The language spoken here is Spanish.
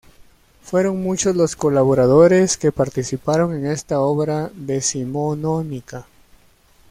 Fueron muchos los colaboradores que participaron en esta obra decimonónica.